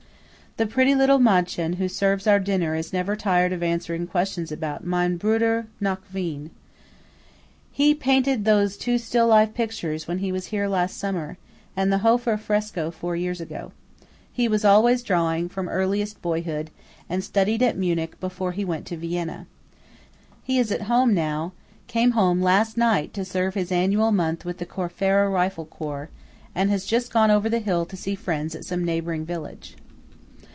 The pretty little mädchen who serves our dinner is never tired of answering questions about "mein Bruder nach Wien." He painted those two still life pictures when he was here last summer, and the Hofer fresco four years ago. He was always drawing, from earliest boyhood, and studied at Munich before he went to Vienna. He is at home now–came home last night to serve his annual month with the Corfara rifle corps–and has just gone over the hill to see friends at some neighbouring village.